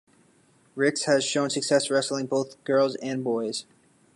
Rix has shown success wrestling both girls and boys.